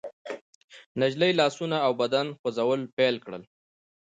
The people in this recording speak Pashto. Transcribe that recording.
نجلۍ لاسونه او بدن خوځول پيل کړل.